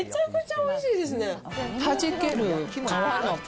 おいしいですね。